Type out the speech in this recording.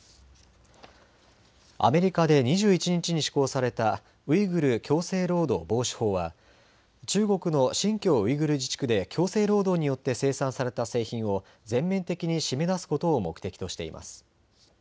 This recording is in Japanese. アメリカで２１日に施行されたウイグル強制労働防止法は中国の新疆ウイグル自治区で強制労働によって生産された製品を全面的に締め出すことを目的としています。